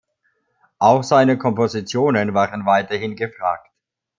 Auch seine Kompositionen waren weiterhin gefragt.